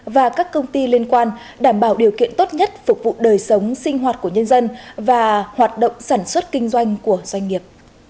và các công ty liên quan đảm bảo điều kiện tốt nhất phục vụ đời sống sinh hoạt của nhân dân và hoạt động sản xuất kinh doanh của doanh nghiệp